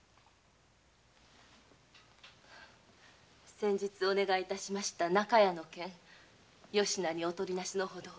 先日お願い致しました「中屋」の件よしなにおとりなしのほどを。